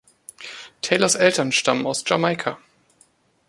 Taylors Eltern stammen aus Jamaika.